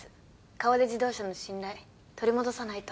河出自動車の信頼取り戻さないと。